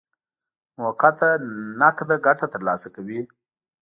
موقته نقده ګټه ترلاسه کوي.